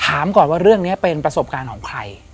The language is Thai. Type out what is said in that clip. ถามก่อนว่าเรื่องนี้เป็นประสบการณ์ของใคร